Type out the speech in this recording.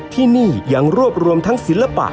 ที่นี่ยังรวบรวมทั้งศิลปะ